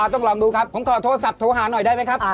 ต้องลองดูครับผมขอโทรศัพท์โทรหาหน่อยได้ไหมครับ